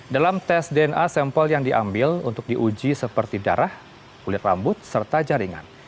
dalam tes dna sampel yang diambil untuk diuji seperti darah kulit rambut serta jaringan